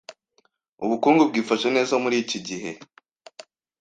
Ubukungu bwifashe neza muri iki gihe.